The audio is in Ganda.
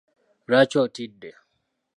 Lwaki otidde?